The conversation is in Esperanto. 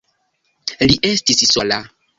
Li estis sola.